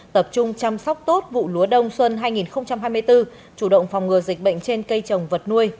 tập trung chăm sóc tốt vụ lúa đông xuân hai nghìn hai mươi bốn chủ động phòng ngừa dịch bệnh trên cây trồng vật nuôi